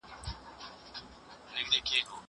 دا ليکنې له هغه ګټورې دي!؟